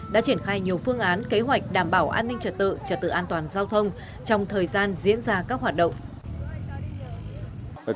đã triển khai nhiều phương án kế hoạch đảm bảo an ninh trật tự trật tự an toàn giao thông trong thời gian diễn ra các hoạt động